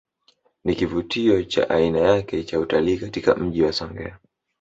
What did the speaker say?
Ni kivutio cha aina yake cha utalii katika Mji wa Songea